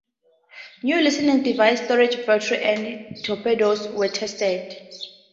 New listening devices, storage batteries, and torpedoes were tested.